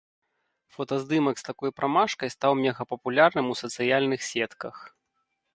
Фотаздымак з такой прамашкай стаў мегапапулярным у сацыяльных сетках.